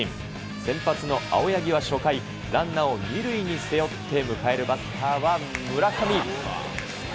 先発の青柳は初回、ランナーを２塁に背負って迎えるバッターは村上。